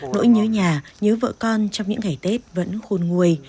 nỗi nhớ nhà nhớ vợ con trong những ngày tết vẫn khôn nguôi